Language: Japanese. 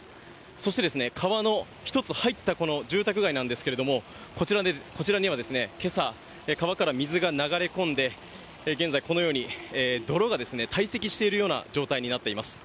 そして川の一つ入ったこの住宅街なんですけれども、こちらには、けさ、川から水が流れ込んで、現在、このように泥が堆積しているような状態になっています。